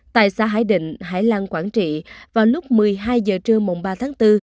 tại xã hải định hải lăng quảng trị vào lúc một mươi hai h trưa mùng ba tháng bốn